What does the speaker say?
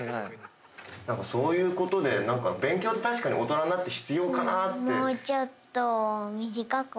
何かそういうことで勉強って大人になって必要かなって。